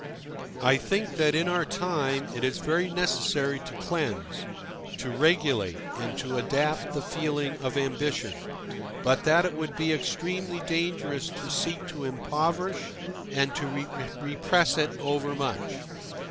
I think that in our time it is very necessary to cleanse, to regulate, and to adapt the feeling of ambition, but that it would be extremely dangerous to seek to impoverish and to repress it over much.